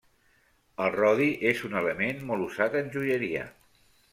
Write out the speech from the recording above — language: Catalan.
El rodi és un element molt usat en joieria.